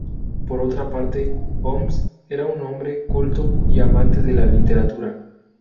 Por otra parte, Oms era un hombre culto y amante de la literatura.